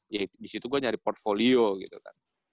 ya disitu gue nyari portfolio gitu kan